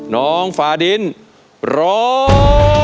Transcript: น้องฟาดินร้อง